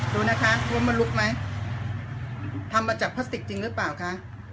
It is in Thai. ดูนะคะว่ามันลุกไหมทำมาจากพลาสติกจริงหรือเปล่าคะ